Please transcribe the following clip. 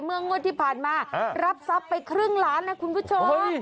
งวดที่ผ่านมารับทรัพย์ไปครึ่งล้านนะคุณผู้ชม